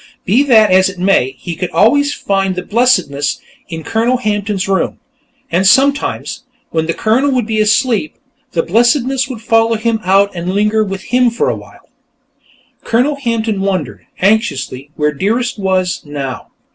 Be that as it may, he could always find the blessedness in Colonel Hampton's room, and sometimes, when the Colonel would be asleep, the blessedness would follow him out and linger with him for a while. Colonel Hampton wondered, anxiously, where Dearest was, now.